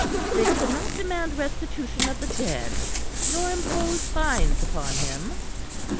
They could not demand restitution of the dead, nor impose fines upon him."